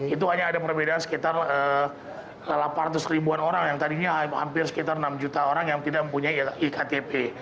itu hanya ada perbedaan sekitar delapan ratus ribuan orang yang tadinya hampir sekitar enam juta orang yang tidak mempunyai iktp